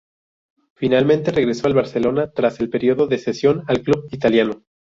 Finalmente regresó al Barcelona tras el periodo de cesión al club italiano.